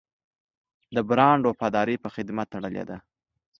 د برانډ وفاداري په خدمت تړلې ده.